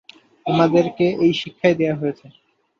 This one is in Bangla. আমাদেরকে এই শিক্ষাই দেয়া হয়েছে।